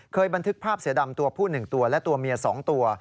เคยบันทึกภาพเสียดำตัวผู้หนึ่งตัวและตัวเมียสองตัว